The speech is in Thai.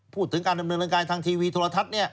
พูดถึงการดำเนินการทางทีวีโทรทัศน์